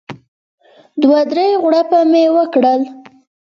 دوه درې غوړپه مې وکړل.